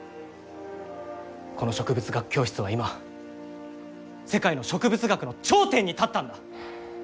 この植物学教室は今世界の植物学の頂点に立ったんだ！